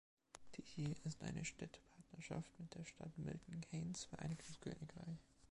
Tychy ist eine Städtepartnerschaft mit der Stadt Milton Keynes, Vereinigtes Königreich.